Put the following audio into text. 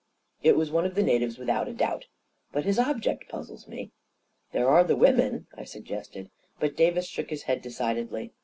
" It was one of the natives without # doubt. But his object puzzles me. u There are the women," I suggested. But Davis shook his head decidedly.